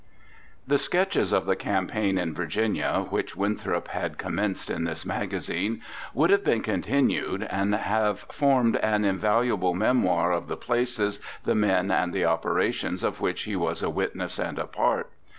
The sketches of the campaign in Virginia, which Winthrop had commenced in this magazine, would have been continued, and have formed an invaluable memoir of the places, the men, and the operations of which he was a witness and a part.